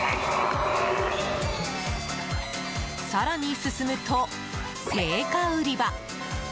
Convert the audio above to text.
更に進むと、青果売り場。